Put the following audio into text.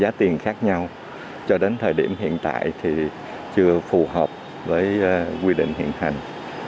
giá tiền khác nhau cho đến thời điểm hiện tại thì chưa phù hợp với quy định hiện hành